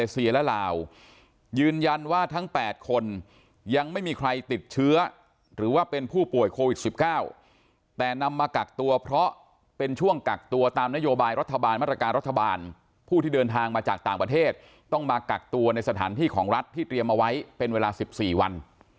สิบเก้าแต่นำมากักตัวเพราะเป็นช่วงกักตัวตามนโยบายรัฐบาลมาตรการรัฐบาลผู้ที่เดินทางมาจากต่างประเทศต้องมากักตัวในสถานที่ของรัฐที่เตรียมเอาไว้เป็นเวลา๑๔วัน